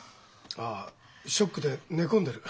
ああショックで寝込んでる。